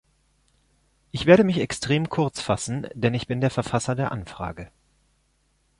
Ich werde mich extrem kurzfassen, denn ich bin der Verfasser der Anfrage.